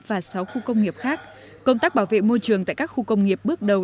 và sáu khu công nghiệp khác công tác bảo vệ môi trường tại các khu công nghiệp bước đầu